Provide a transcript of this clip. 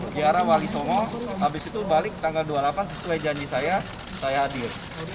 di arah wali songo habis itu balik tanggal dua puluh delapan sesuai janji saya saya hadir